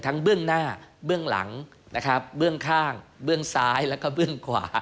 เบื้องหน้าเบื้องหลังนะครับเบื้องข้างเบื้องซ้ายแล้วก็เบื้องขวา